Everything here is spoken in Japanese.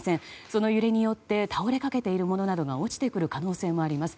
その揺れによって倒れかけている物などが落ちてくる可能性もあります。